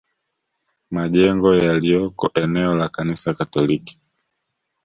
Majengo yaliyoko eneo la Kanisa Katoliki